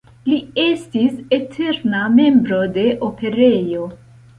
Li estis eterna membro de la Operejo.